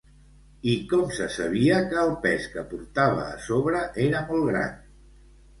I com se sabia que el pes que portava a sobre era molt gran?